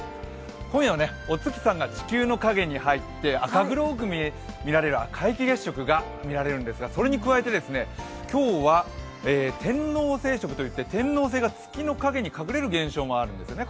今夜はお月さんが地球の影に入って赤黒く見られる皆既月食が見られるんですがそれに加えて今日は天王星食といって天王星が月の影に隠れる現象もあるんですね。